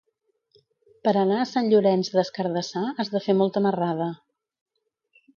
Per anar a Sant Llorenç des Cardassar has de fer molta marrada.